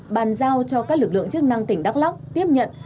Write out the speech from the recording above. bàn giao cho các lực lượng chức năng tỉnh đắk lắk tiếp nhận